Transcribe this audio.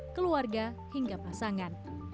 keluarga hingga pasangan